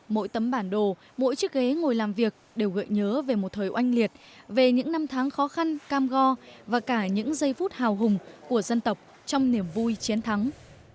mỗi tấm bản đồ mỗi chiếc ghế ngồi làm việc đều gợi nhớ về một thời oanh liệt về những năm tháng khó khăn cam go và cả những giây phút hào hùng của dân tộc trong niềm vui chiến thắng